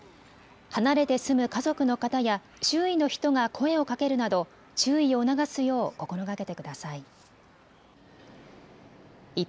離れて住む家族の方や周囲の人が声をかけるなど注意を促すよう心がけてください。